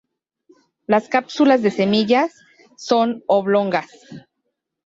Las cápsulas de semillas son oblongas.